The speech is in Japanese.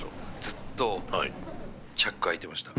ずっとチャック開いてました。